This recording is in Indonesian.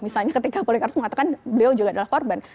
misalnya ketika polikars mengatakan beliau juga adalah korban